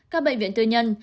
các bệnh viện tư nhân